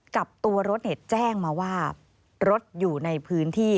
กับตัวรถแจ้งมาว่ารถอยู่ในพื้นที่